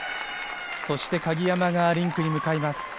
そして鍵山がリンクに向かいます。